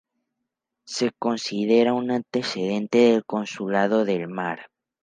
Se considera un antecedente del Consulado del Mar.